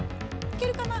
いけるかな？